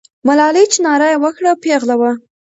ملالۍ چې ناره یې وکړه، پیغله وه.